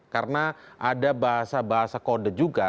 karena ada bahasa bahasa kode juga